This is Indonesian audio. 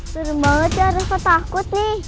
seru banget ya ada yang ketakut nih